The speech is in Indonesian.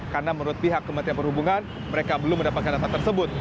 karena menurut pihak kementerian perhubungan mereka belum mendapatkan data tersebut